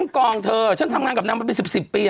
รอกองทั้งกองเธอ